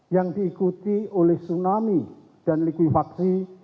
yang diikuti oleh tsunami dan likuifaksi